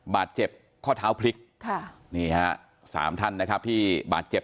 บาดเจ็บข้อเท้าพลิกค่ะนี่ฮะสามท่านนะครับที่บาดเจ็บ